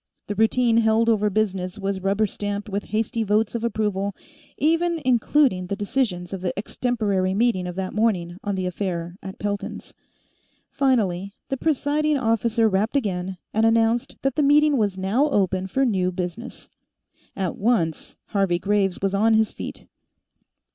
The routine held over business was rubber stamped with hasty votes of approval, even including the decisions of the extemporary meeting of that morning on the affair at Pelton's. Finally, the presiding officer rapped again and announced that the meeting was now open for new business. At once, Harvey Graves was on his feet.